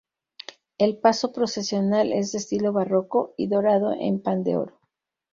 El paso procesional es de estilo barroco y dorado en pan de oro.